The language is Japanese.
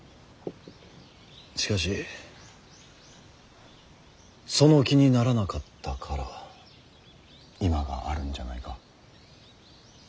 しかしその気にならなかったから今があるんじゃないか。